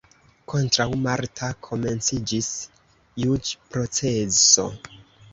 Kontraŭ Marta komenciĝis juĝproceso.